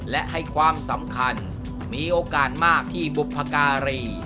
และให้ความสำคัญมีโอกาสมากที่บุพการี